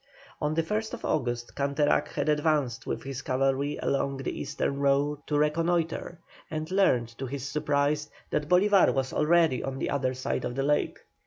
On the 1st August Canterac had advanced with his cavalry along the eastern road to reconnoitre, and learned to his surprise that Bolívar was already on the other side of the lake.